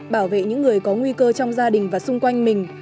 bảo vệ những người có nguy cơ trong gia đình và xung quanh mình